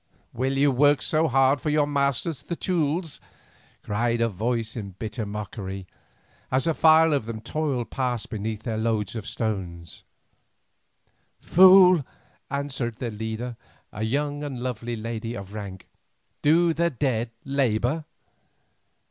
"Will you work so hard for your masters the Teules?" cried a man in bitter mockery, as a file of them toiled past beneath their loads of stone. "Fool!" answered their leader, a young and lovely lady of rank; "do the dead labour?"